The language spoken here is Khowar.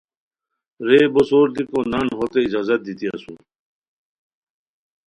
رے بو زور دیکو نان ہوتے اجازت دیتی اسور